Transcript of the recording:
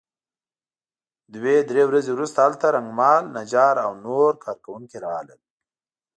دوه درې ورځې وروسته هلته رنګمال نجار او نور کار کوونکي راغلل.